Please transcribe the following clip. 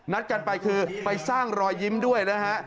นัดกันไปคือไปสร้างรอยยิ้มด้วยนะฮะ